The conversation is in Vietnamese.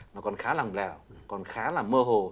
nó còn khá lòng lẻo còn khá là mơ hồ